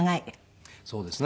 そうですね。